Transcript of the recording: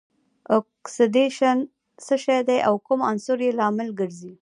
اکسیدیشن څه شی دی او کوم عنصر یې لامل ګرځي؟